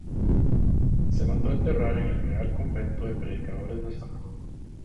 Se mandó enterrar en el Real Convento de Predicadores de Zaragoza.